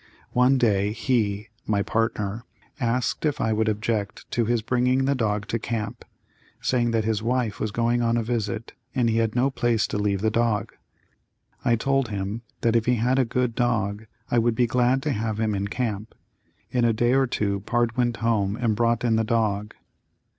One day he (my partner) asked if I would object to his bringing the dog to camp, saying that his wife was going on a visit and he had no place to leave the dog. I told him that if he had a good dog I would be glad to have him in camp. In a day or two pard went home and brought in the dog.